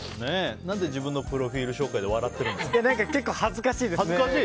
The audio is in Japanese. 何で自分のプロフィール紹介で笑ってるんですか？